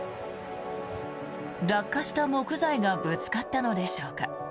落下した木材がぶつかったのでしょうか